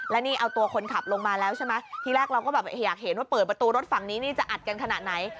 และนี่เอาตัวคนขับลงมาแล้วใช่ไหมที่แรกเราก็แบบอยากเห็นว่าเปิดประตูรถฝั่งนี้นี่จะอัดกันขนาดไหน